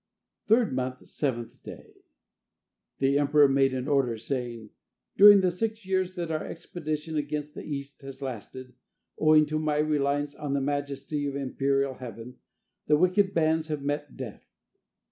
Third month, 7th day. The emperor made an order, saying: "During the six years that our expedition against the East has lasted, owing to my reliance on the majesty of Imperial Heaven, the wicked bands have met death.